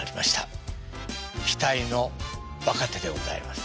期待の若手でございます。